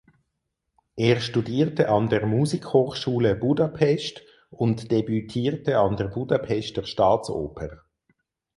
Er studierte an der Musikhochschule Budapest und debütierte an der Budapester Staatsoper.